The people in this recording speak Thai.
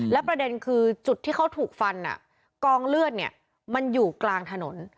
และประเด็นคือจุดที่เขาถูกฟันกองเลือดเนี่ยมันอยู่กลางถนน